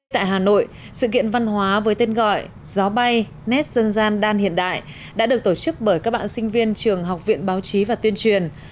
tại hà nội sự kiện văn hóa với tên gọi gió bay nét dân gian đan hiện đại đã được tổ chức bởi các bạn sinh viên trường học viện báo chí và tuyên truyền